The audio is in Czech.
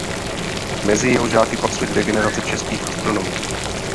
Mezi jeho žáky patřily dvě generace českých astronomů.